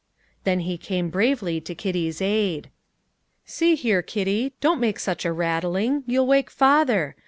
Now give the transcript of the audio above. Then he came bravely to Kitty's aid. "See here, Kitty, don't make such a rattling; you'll wake father.